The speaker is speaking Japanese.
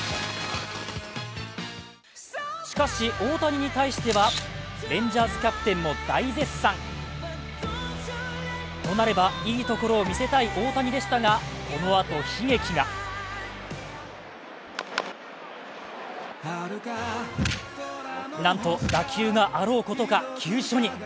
しかし、大谷に対してはレンジャーズ・キャプテンも大絶賛となれば、いいところを見せたい大谷でしたが、このあと悲劇がなんと打球があろうことか急所に。